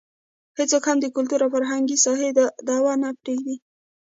هېڅوک هم د کلتوري او فرهنګي ساحه کې دعوه نه پرېږدي.